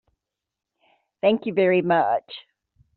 Thank you very much.